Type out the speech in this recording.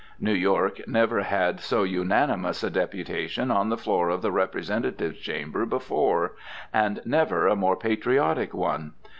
New York never had so unanimous a deputation on the floor of the Representatives Chamber before, and never a more patriotic one.